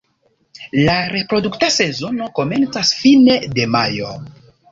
La reprodukta sezono komencas fine de majo.